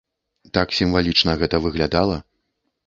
Так сімвалічна гэта выглядала.